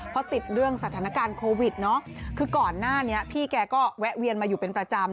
เพราะติดเรื่องสถานการณ์โควิดเนาะคือก่อนหน้านี้พี่แกก็แวะเวียนมาอยู่เป็นประจำ